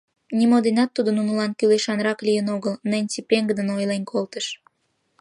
— Нимо денат тудо нунылан кӱлешанрак лийын огыл, — Ненси пеҥгыдын ойлен колтыш.